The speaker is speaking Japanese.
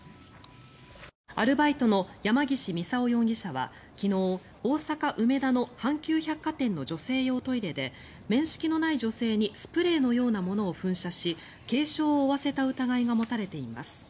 アルバイトの山岸操容疑者は昨日大阪・梅田の阪急百貨店の女性用トイレで面識のない女性にスプレーのようなものを噴射し軽傷を負わせた疑いが持たれています。